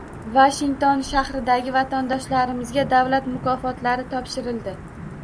Vashington shahridagi vatandoshlarimizga davlat mukofotlari topshirildi